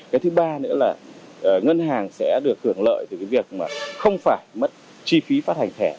cái thứ ba nữa là ngân hàng sẽ được hưởng lợi từ cái việc mà không phải mất chi phí phát hành thẻ